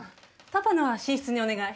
パパのは寝室にお願い。